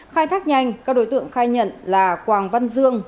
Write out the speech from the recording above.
khai thác nhanh các đối tượng khai nhận là quảng văn dương